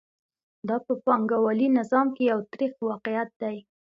دا په پانګوالي نظام کې یو تریخ واقعیت دی